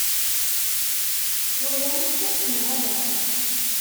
Twalam-tt neɣ ala?